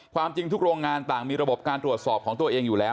ความจริงทุกโรงงานต่างมีระบบการตรวจสอบของตัวเองอยู่แล้ว